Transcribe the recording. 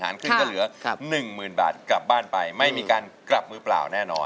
มีอยู่แล้วยังงั้นก็เหลือ๑หมื่นบาทกลับบ้านไปไม่มีการกลับมือเปล่าแน่นอน